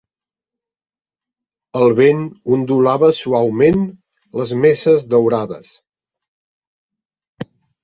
El vent ondulava suaument les messes daurades.